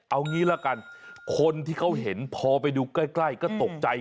เอางี้ละกันคนที่เขาเห็นพอไปดูใกล้ก็ตกใจ